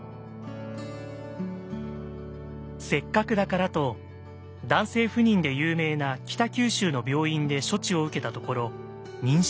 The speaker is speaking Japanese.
せっかくだからと男性不妊で有名な北九州の病院で処置を受けたところ妊娠。